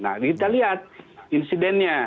nah kita lihat insidennya